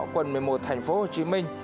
quận một mươi một thành phố hồ chí minh